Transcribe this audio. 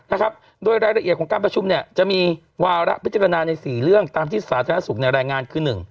นะครับด้วยรายละเอียดของการประชุมเนี่ยจะมีวาระพิจารณาใน๔เรื่องตามที่ศาสนศุกร์นี้แหล่งงานคือ๑